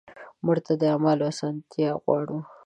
مړه ته د اعمالو اسانتیا غواړو